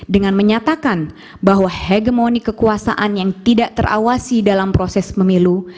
dengan menyatakan bahwa hegemoni kekuasaan yang tidak terawasi dalam proses pemilu